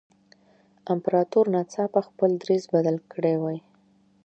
امپراتور ناڅاپه خپل دریځ بدل کړی وای.